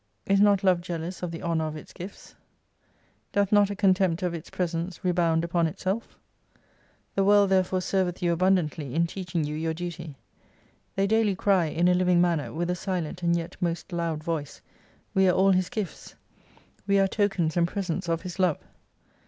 Is not Love jealous of the honour of its gifts ? Doth not a contempt of its presents, re bound upon itself ? The world therefore serveth you abundantly in teaching you your duty. They daily cry in a living manner, with a silent and yet most loud voice, We are all His gifts : We are tokens and presents of His Love.